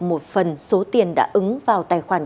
một phần số tiền đã ứng vào tài khoản